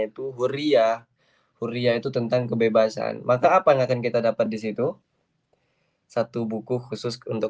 itu huria huria itu tentang kebebasan maka apa yang akan kita dapat disitu satu buku khusus untuk